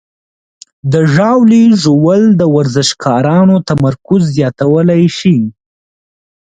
د ژاولې ژوول د ورزشکارانو تمرکز زیاتولی شي.